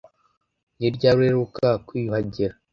Ni ryari uheruka kwiyuhagira